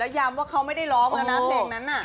แล้วยามว่าเขาไม่ได้ร้องเหมือนน้ำเด็กนั้นอะ